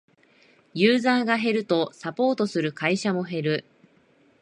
ユーザーが減るとサポートする会社も減る